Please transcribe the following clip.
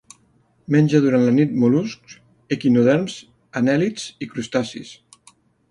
Menja durant la nit mol·luscs, equinoderms, anèl·lids i crustacis.